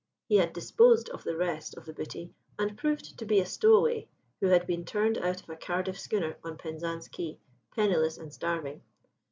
He had disposed of the rest of the booty, and proved to be a stowaway who had been turned out of a Cardiff schooner on Penzance quay, penniless and starving.